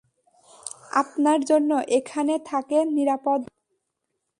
আপনার জন্য এখানে থাকে নিরাপদ নয়।